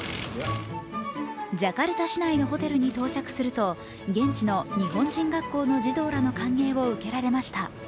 ジャカルタ市内のホテルに到着すると現地の日本人学校の児童らの歓迎を受けられました。